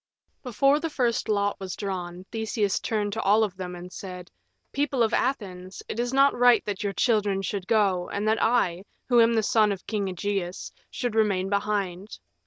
Before the first lot was drawn Theseus turned to all of them and said, "People of Athens, it is not right that your children should go and that I, who am the son of King Ægeus, should remain behind.